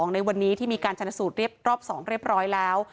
ในวันนี้ที่มีการชนสูตรเรียบรอบ๒เรียบร้อยแล้ว